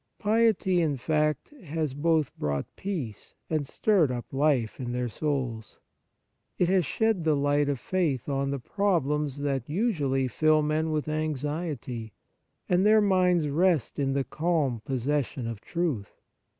Piety, in fact, has both brought peace and stirred up life in their souls. It has shed the light of faith on 1 the problems that usually fill men with anxiety, and their minds rest in the calm possession of truth.